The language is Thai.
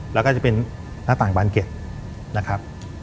แล้วก็จะเป็นหน้าต่างบานเก็ตนะครับ